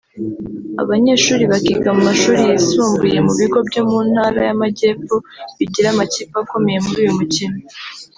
abanyeshuri bakiga mu mashuri yisumbuye mu bigo byo mu Ntara y’Amajyepfo bigira amakipe akomeye muri uyu mukino